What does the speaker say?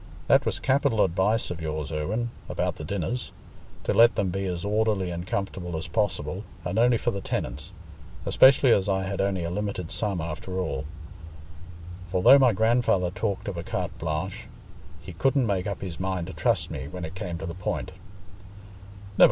That was capital advice of yours, Irwine, about the dinners—to let them be as orderly and comfortable as possible, and only for the tenants: especially as I had only a limited sum after all; for though my grandfather talked of a carte blanche, he couldn't make up his mind to trust me, when it came to the point."